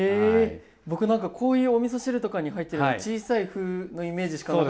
僕何かこういうおみそ汁とかに入ってる小さい麩のイメージしかなかったんで。